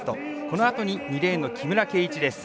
このあとに２レーンの木村敬一です。